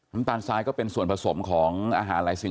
น้ำตาลทรายก็เป็นส่วนผสมของอาหารหลายสิ่ง